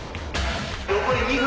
残り２分。